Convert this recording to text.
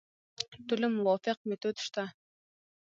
ټولو موافق میتود شته.